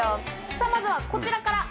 さぁまずはこちらから！